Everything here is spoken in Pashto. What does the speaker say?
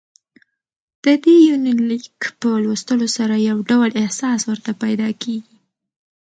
ددې یونلیک په لوستلو سره يو ډول احساس ورته پېدا کېږي